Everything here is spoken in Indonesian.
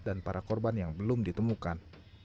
dan para korban yang belum ditemukan